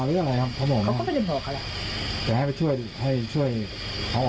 ได้ออกมาให้ช่วยได้รึเปล่า